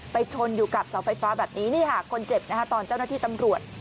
ชนอยู่กับเสาไฟฟ้าแบบนี้นี่ค่ะคนเจ็บนะคะตอนเจ้าหน้าที่ตำรวจ